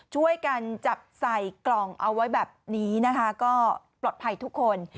ช่วยกันจับใส่กล่องเอาไว้แบบนี้นะคะก็ปลอดภัยทุกคน